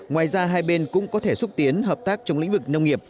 ngoài ra hai bên cũng có thể xúc tiến hợp tác trong lĩnh vực nông nghiệp